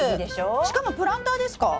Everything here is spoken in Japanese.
しかもプランターですか？